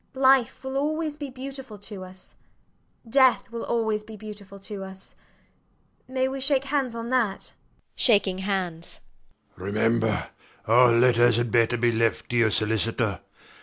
Life will always be beautiful to us: death will always be beautiful to us. May we shake hands on that? SIR PATRICK [shaking hands] Remember: all letters had better be left to your solicitor.